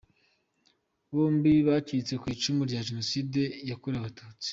Bombi bacitse ku icumu rya Jenoside yakorewe Abatutsi.